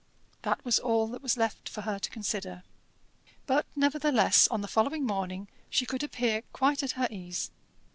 That was all that was left for her to consider. But, nevertheless, on the following morning she could appear quite at her ease.